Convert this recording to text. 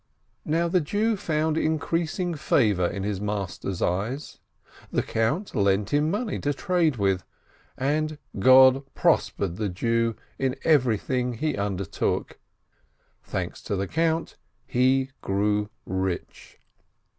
The Jew found increasing favor in his master's eyes. The Count lent him money to trade with, and God pros pered the Jew in everything he undertook. Thanks to the Count, he grew rich.